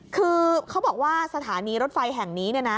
คือเขาบอกว่าสถานีรถไฟแห่งนี้เนี่ยนะ